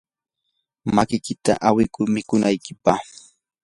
makiykita awikuy mikunaykipaq.